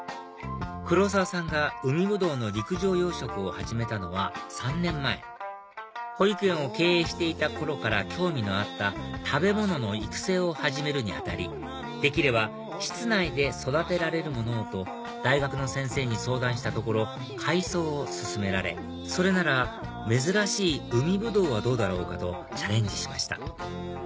黒澤さんが海ぶどうの陸上養殖を始めたのは３年前保育園を経営していた頃から興味のあった食べ物の育成を始めるに当たりできれば室内で育てられるものをと大学の先生に相談したところ海藻を薦められそれなら珍しい海ぶどうはどうだろうか？とチャレンジしました